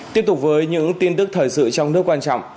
tiếp tục với những tin tức thời sự trong nước quan trọng